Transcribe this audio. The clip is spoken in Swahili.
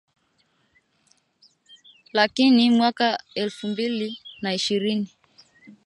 Lakini mwaka elfu mbili na ishirini